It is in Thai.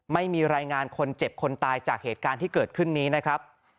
ไม่มีรายงานคนเจ็บคนตายจากเหตุการณ์ที่เกิดขึ้นนี้นะครับ